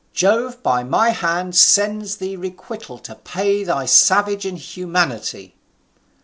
Jove by my hand sends thee requital to pay thy savage inhumanity."